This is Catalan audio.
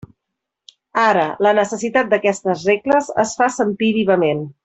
Ara, la necessitat d'aquestes regles es fa sentir vivament.